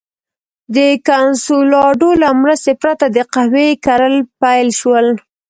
د کنسولاډو له مرستې پرته د قهوې کرل پیل شول.